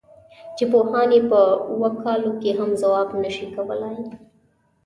چې پوهان یې په اوو کالو کې هم ځواب نه شي کولای.